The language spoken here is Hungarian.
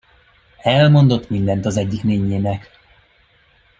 Elmondott mindent az egyik nénjének.